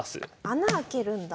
穴開けるんだ。